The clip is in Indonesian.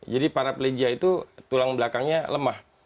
jadi paraplegia itu tulang belakangnya lemah